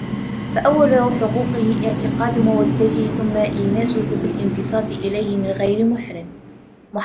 فَأَوَّلُ حُقُوقِهِ اعْتِقَادُ مَوَدَّتِهِ ثُمَّ إينَاسُهُ بِالِانْبِسَاطِ إلَيْهِ فِي غَيْرِ مُحَرَّمٍ